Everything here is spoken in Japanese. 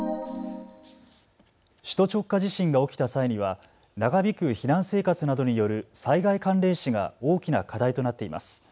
首都直下地震が起きた際には長引く避難生活などによる災害関連死が大きな課題となっています。